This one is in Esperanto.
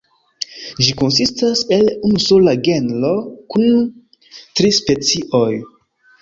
Ĝi konsistas el unu sola genro kun tri specioj.